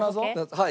はい。